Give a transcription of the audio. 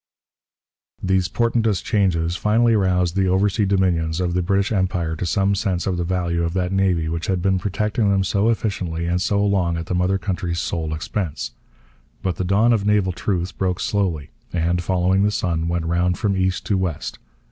These portentous changes finally roused the oversea dominions of the British Empire to some sense of the value of that navy which had been protecting them so efficiently and so long at the mother country's sole expense. But the dawn of naval truth broke slowly and, following the sun, went round from east to west.